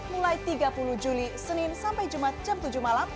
mulai tiga puluh juli senin sampai jumat jam tujuh malam